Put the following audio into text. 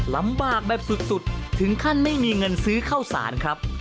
ลำบากแบบสุดถึงขั้นไม่มีเงินซื้อข้าวสารครับ